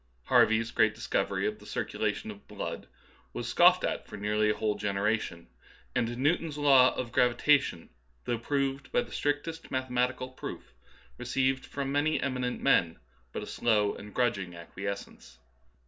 Harvey's great discovery of the circulation of the blood was scoffed at for nearly a whole generation ; and Newton's law of gravitation, though proved by the strictest math ematical proof, received from many eminent men but a slow and grudging acquiescence.